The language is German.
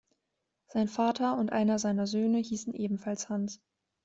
Sein Vater und einer seiner Söhne hießen ebenfalls Hans.